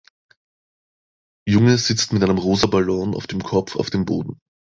Junge sitzt mit einem rosa Ballon auf dem Kopf auf dem Boden.